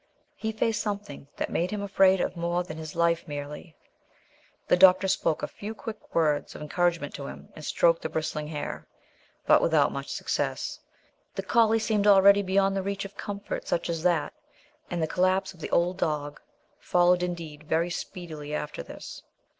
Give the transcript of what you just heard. He faced something that made him afraid of more than his life merely. The doctor spoke a few quick words of encouragement to him, and stroked the bristling hair. But without much success. The collie seemed already beyond the reach of comfort such as that, and the collapse of the old dog followed indeed very speedily after this.